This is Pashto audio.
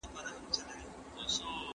غازیان به نمانځي پردي پوځونه